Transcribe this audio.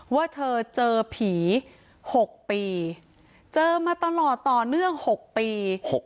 ว่าเธอเจอผี๖ปีเจอมาตลอดต่อเนื่อง๖ปี